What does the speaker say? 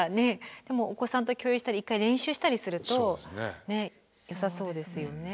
でもお子さんと共有したり１回練習したりするとよさそうですよね。